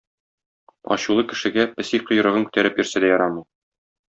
Ачулы кешегә песи койрыгын күтәреп йөрсә дә ярамый.